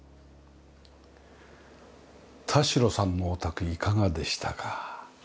田代さんのお宅いかがでしたか？